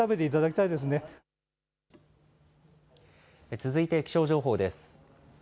続いて気象情報です。